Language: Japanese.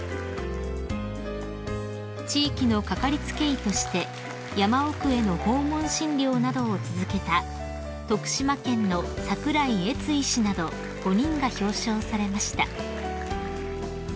［地域のかかりつけ医として山奥への訪問診療などを続けた徳島県の桜井えつ医師など５人が表彰されました］